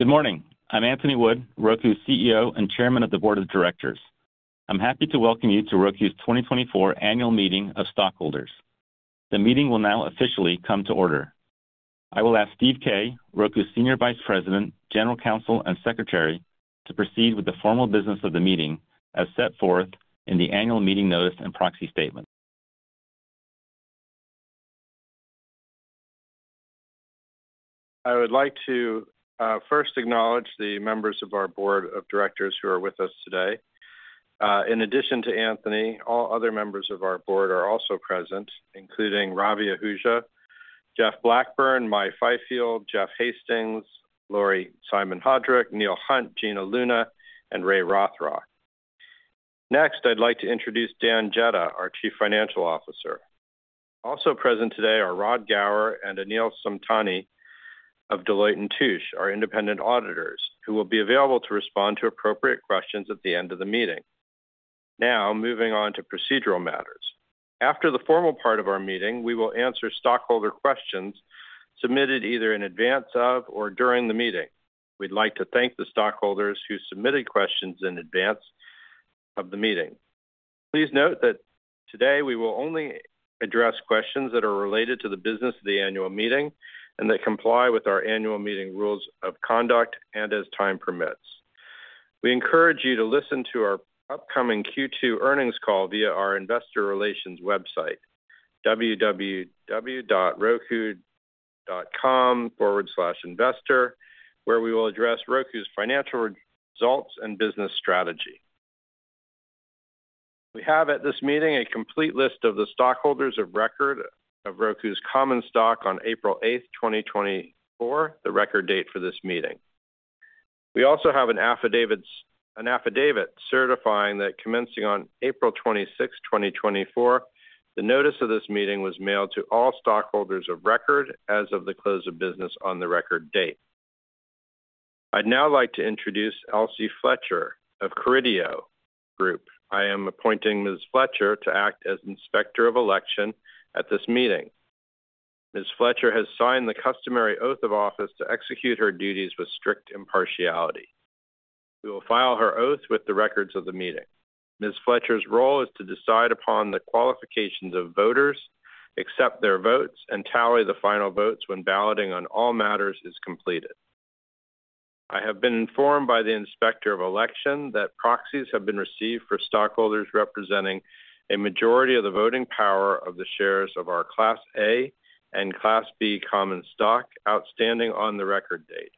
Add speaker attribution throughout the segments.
Speaker 1: Good morning. I'm Anthony Wood, Roku's CEO and Chairman of the Board of Directors. I'm happy to welcome you to Roku's 2024 Annual Meeting of Stockholders. The meeting will now officially come to order. I will ask Steve Kay, Roku's Senior Vice President, General Counsel, and Secretary to proceed with the formal business of the meeting as set forth in the Annual Meeting Notice and Proxy Statement.
Speaker 2: I would like to first acknowledge the members of our Board of Directors who are with us today. In addition to Anthony, all other members of our board are also present, including Ravi Ahuja, Jeff Blackburn, Mai Fyfield, Jeff Hastings, Laurie Simon Hodrick, Neil Hunt, Gina Luna, and Ray Rothrock. Next, I'd like to introduce Dan Jedda, our Chief Financial Officer. Also present today are Rod Gower and Anil Samtani of Deloitte & Touche, our independent auditors, who will be available to respond to appropriate questions at the end of the meeting. Now, moving on to procedural matters. After the formal part of our meeting, we will answer stockholder questions submitted either in advance of or during the meeting. We'd like to thank the stockholders who submitted questions in advance of the meeting. Please note that today we will only address questions that are related to the business of the annual meeting and that comply with our annual meeting rules of conduct and as time permits. We encourage you to listen to our upcoming Q2 earnings call via our investor relations website, www.roku.com/investor, where we will address Roku's financial results and business strategy. We have at this meeting a complete list of the stockholders of record of Roku's common stock on April 8, 2024, the record date for this meeting. We also have an affidavit certifying that commencing on April 26, 2024, the notice of this meeting was mailed to all stockholders of record as of the close of business on the record date. I'd now like to introduce Elsie Fletcher of Computershare. I am appointing Ms. Fletcher to act as Inspector of Election at this meeting. Ms. Fletcher has signed the customary oath of office to execute her duties with strict impartiality. We will file her oath with the records of the meeting. Ms. Fletcher's role is to decide upon the qualifications of voters, accept their votes, and tally the final votes when balloting on all matters is completed. I have been informed by the Inspector of Election that proxies have been received for stockholders representing a majority of the voting power of the shares of our Class A and Class B common stock outstanding on the record date.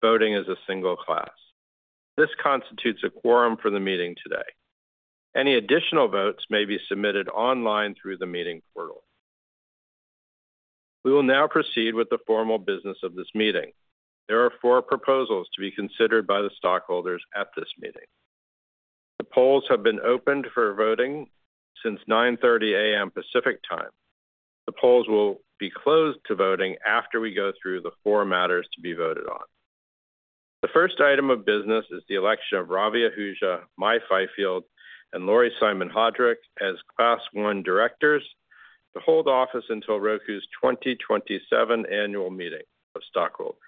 Speaker 2: Voting is a single class. This constitutes a quorum for the meeting today. Any additional votes may be submitted online through the meeting portal. We will now proceed with the formal business of this meeting. There are four proposals to be considered by the stockholders at this meeting. The polls have been opened for voting since 9:30 A.M. Pacific time. The polls will be closed to voting after we go through the four matters to be voted on. The first item of business is the election of Ravi Ahuja, Mai Fyfield, and Laurie Simon Hodrick as Class I directors to hold office until Roku's 2027 Annual Meeting of Stockholders.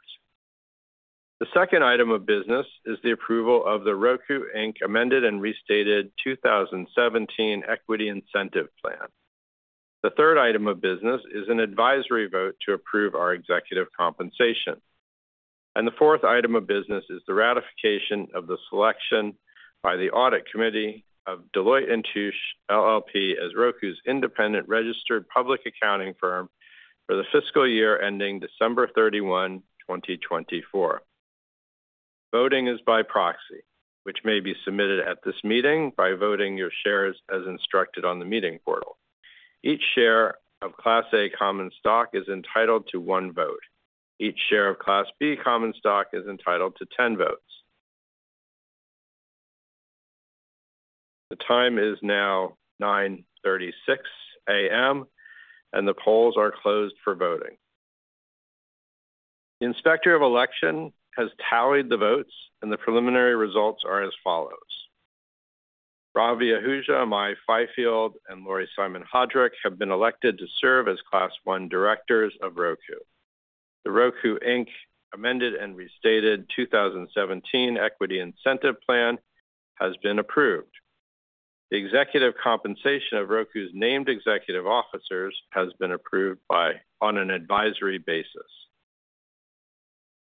Speaker 2: The second item of business is the approval of the Roku Amended and Restated 2017 Equity Incentive Plan. The third item of business is an advisory vote to approve our executive compensation. The fourth item of business is the ratification of the selection by the Audit Committee of Deloitte & Touche LLP as Roku's independent registered public accounting firm for the fiscal year ending December 31, 2024. Voting is by proxy, which may be submitted at this meeting by voting your shares as instructed on the meeting portal. Each share of Class A common stock is entitled to one vote. Each share of Class B common stock is entitled to 10 votes. The time is now 9:36 A.M., and the polls are closed for voting. The Inspector of Election has tallied the votes, and the preliminary results are as follows. Ravi Ahuja, Mai Fyfield, and Laurie Simon Hodrick have been elected to serve as Class 1 directors of Roku. The Roku, Inc. Amended and Restated 2017 Equity Incentive Plan has been approved. The executive compensation of Roku's named executive officers has been approved on an advisory basis.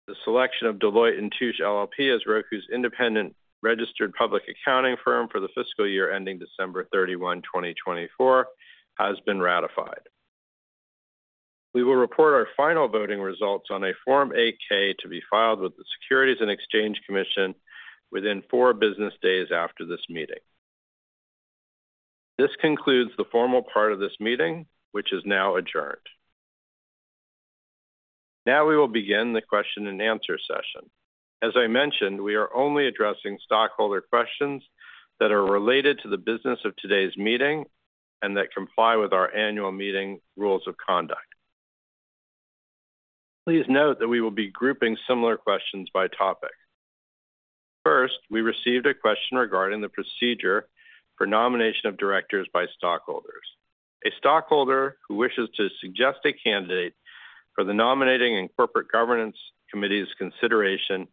Speaker 2: The selection of Deloitte & Touche LLP as Roku's independent registered public accounting firm for the fiscal year ending December 31, 2024, has been ratified. We will report our final voting results on a Form 8-K to be filed with the Securities and Exchange Commission within four business days after this meeting. This concludes the formal part of this meeting, which is now adjourned. Now we will begin the question and answer session. As I mentioned, we are only addressing stockholder questions that are related to the business of today's meeting and that comply with our annual meeting rules of conduct. Please note that we will be grouping similar questions by topic. First, we received a question regarding the procedure for nomination of directors by stockholders. A stockholder who wishes to suggest a candidate for the Nominating and Corporate Governance Committee's consideration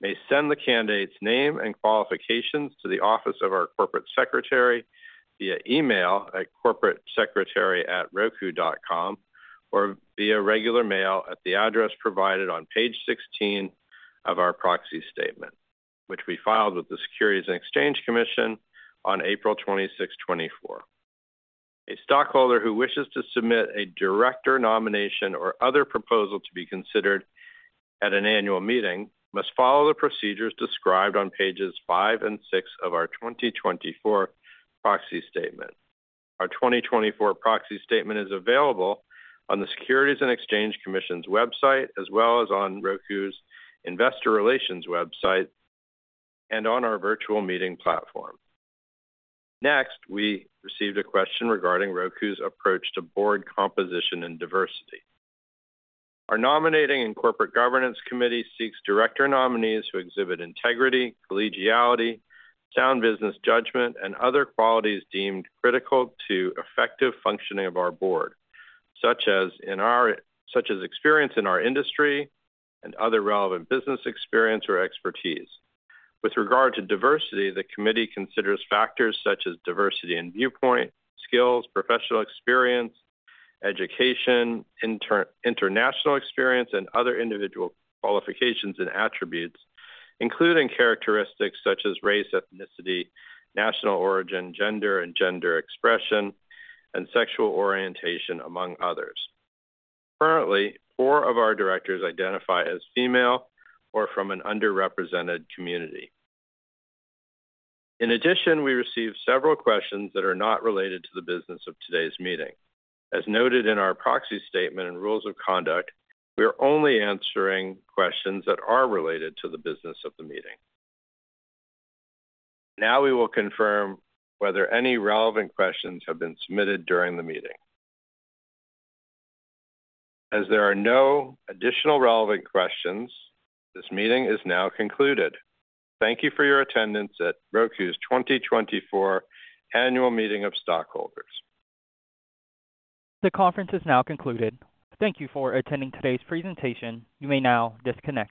Speaker 2: may send the candidate's name and qualifications to the office of our Corporate Secretary via email at corporatesecretary@roku.com or via regular mail at the address provided on page 16 of our proxy statement, which we filed with the Securities and Exchange Commission on April 26, 2024. A stockholder who wishes to submit a director nomination or other proposal to be considered at an annual meeting must follow the procedures described on pages 5 and 6 of our 2024 proxy statement. Our 2024 proxy statement is available on the Securities and Exchange Commission's website, as well as on Roku's Investor Relations website and on our virtual meeting platform. Next, we received a question regarding Roku's approach to board composition and diversity. Our Nominating and Corporate Governance Committee seeks director nominees who exhibit integrity, collegiality, sound business judgment, and other qualities deemed critical to effective functioning of our board, such as experience in our industry and other relevant business experience or expertise. With regard to diversity, the committee considers factors such as diversity in viewpoint, skills, professional experience, education, international experience, and other individual qualifications and attributes, including characteristics such as race, ethnicity, national origin, gender and gender expression, and sexual orientation, among others. Currently, four of our directors identify as female or from an underrepresented community. In addition, we received several questions that are not related to the business of today's meeting. As noted in our Proxy Statement and rules of conduct, we are only answering questions that are related to the business of the meeting. Now we will confirm whether any relevant questions have been submitted during the meeting. As there are no additional relevant questions, this meeting is now concluded. Thank you for your attendance at Roku's 2024 Annual Meeting of Stockholders.
Speaker 3: The conference is now concluded. Thank you for attending today's presentation. You may now disconnect.